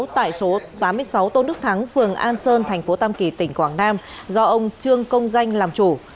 tại số tám mươi sáu tôn đức thắng phường an sơn thành phố tam kỳ tỉnh quảng nam do ông trương công danh làm chủ